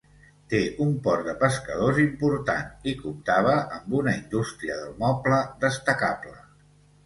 Té un port de pescadors important i comptava amb una indústria del moble destacable.